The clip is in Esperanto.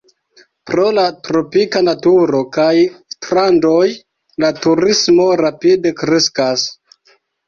Pro la tropika naturo kaj strandoj la turismo rapide kreskas.